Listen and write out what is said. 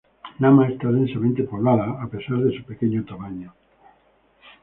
Nama está densamente poblada a pesar de su pequeño tamaño.